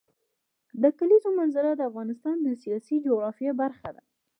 د کلیزو منظره د افغانستان د سیاسي جغرافیه برخه ده.